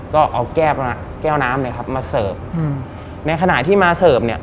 ก็เอาแก้วแก้วน้ำเลยครับมาเสิร์ฟอืมในขณะที่มาเสิร์ฟเนี่ย